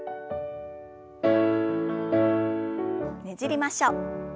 ねじりましょう。